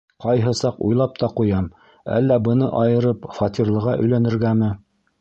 Ҡайһы саҡ уйлап та ҡуям: әллә быны айырып, фатирлыға әйләнергәме?